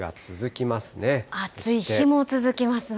暑い日も続きますね。